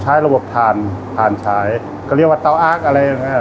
สวัสดีครับผมชื่อสามารถชานุบาลชื่อเล่นว่าขิงถ่ายหนังสุ่นแห่ง